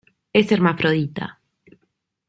Es hermafrodita.